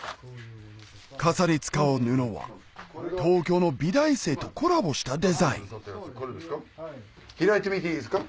傘に使う布は東京の美大生とコラボしたデザイン開いてみていいですか？